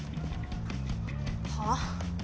はあ？